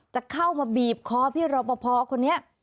จะเข้ามาบีบคอพี่รอปภคนนี้